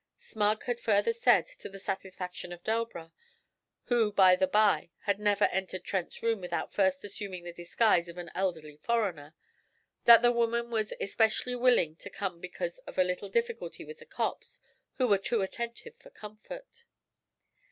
Smug had further said, to the satisfaction of Delbras who by the bye had never entered Trent's room without first assuming the disguise of an elderly foreigner that the woman was especially willing to come because of a little difficulty with 'the cops,' who were 'too attentive for comfort.'